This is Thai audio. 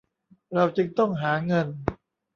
เราจึงต้องหาเงิน